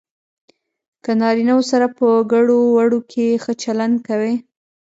له نارینه وو سره په ګړو وړو کې ښه چلند کوي.